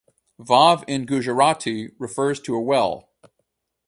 Vav in Gujarati refers to a well.